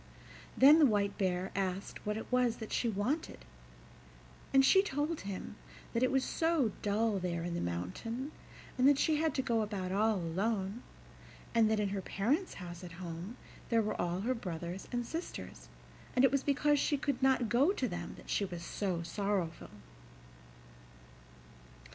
Then the White Bear asked what it was that she wanted, and she told him that it was so dull there in the mountain, and that she had to go about all alone, and that in her parents' house at home there were all her brothers and sisters, and it was because she could not go to them that she was so sorrowful.